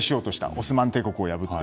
オスマン帝国を破って。